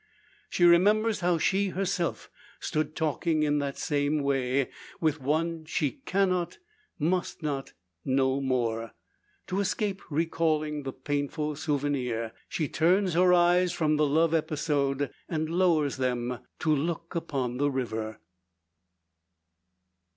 She remembers how she herself stood talking in that same way, with one she cannot, must not, know more. To escape recalling the painful souvenir, she turns her eyes from the love episode, and lowers them to look upon the river.